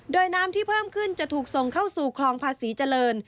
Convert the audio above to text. โดยน้ำที่เพิ่มขึ้นจะถูกส่งเข้าสู่คลองภาษีเจริญ